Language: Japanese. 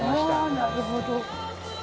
なるほど。